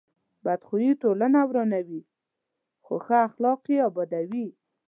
بد خوی ټولنه ورانوي، خو ښه اخلاق یې ابادوي.